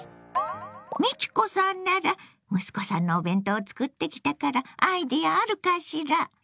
美智子さんなら息子さんのお弁当を作ってきたからアイデアあるかしら？